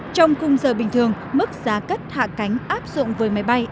trong khung giờ bình thường mức giá cất hạ cánh áp dụng với máy bay